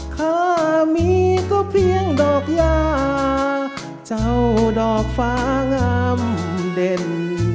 ถ้ามีก็เพียงดอกยาเจ้าดอกฟ้างามเด่น